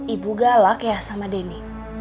ibu galak ya sama denny